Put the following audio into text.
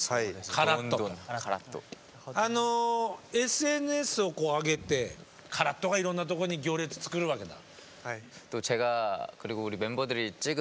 ＳＮＳをこうあげてカラットがいろんなところに行列作るわけだ。